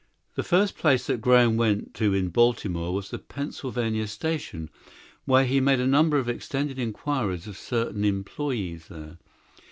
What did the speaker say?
The first place that Graham went to in Baltimore was the Pennsylvania station, where he made a number of extended inquiries of certain employees there.